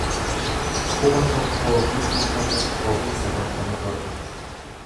kuma tokkoo fi dhibba tokkoo fi sagaltamii torba